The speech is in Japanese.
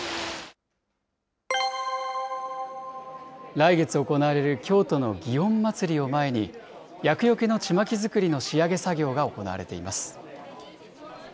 来月行われる京都の祇園祭を前に、厄よけのちまき作りの仕上げ作業が行われています。